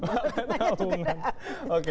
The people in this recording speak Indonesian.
makan tabungan oke